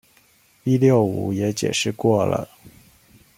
一六五也解釋過了